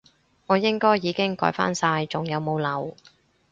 我應該已經改返晒，仲有冇漏？